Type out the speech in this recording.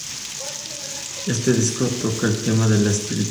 Este disco toca el tema de la espiritualidad.